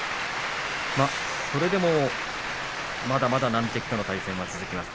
それでも、まだまだ難敵との対戦は続きます。